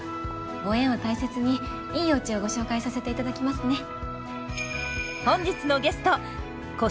ご縁を大切にいいおうちをご紹介させていただきますね。